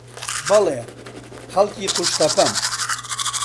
بەڵێ، خەڵکی قوشتەپەم.